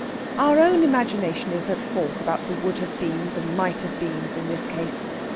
Our own imagination is at fault about the would have beens and might have beens in this case.